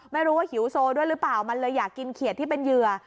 ไม่รู้ว่าหิวโซด้วยหรือเปล่ามันเลยอยากกินเขียดที่เป็นเหยื่อ